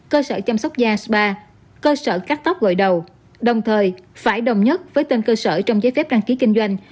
cơ sở chăm sóc da spa cơ sở cắt tóc gội đầu đồng thời phải đồng nhất với tên cơ sở trong giấy phép đăng ký kinh doanh